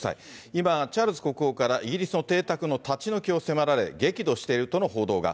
今、チャールズ国王からイギリスの邸宅の立ち退きを迫られ、激怒しているとの報道が。